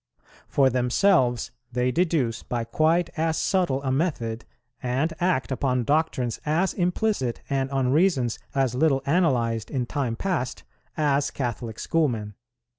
For themselves they deduce by quite as subtle a method, and act upon doctrines as implicit and on reasons as little analyzed in time past, as Catholic schoolmen.